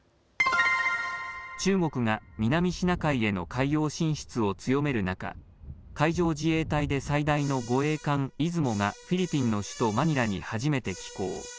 中国が南シナ海への海洋進出を強める中、海上自衛隊で最大の護衛艦いずもがフィリピンの首都マニラに初めて寄港。